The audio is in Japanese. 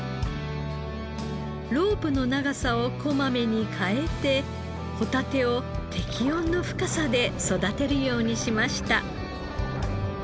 ロープの長さをこまめに変えてホタテを適温の深さで育てるようにしました。